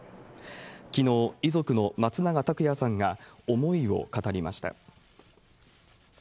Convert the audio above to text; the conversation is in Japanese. きのう、遺族の松永拓也さんが思いを語りました。